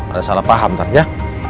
ada salah paham tadi ya